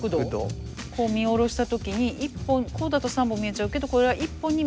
こう見下ろした時にこうだと３本見えちゃうけどこれが１本に見える角度。